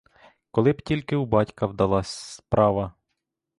Коли б тільки у батька вдалась справа!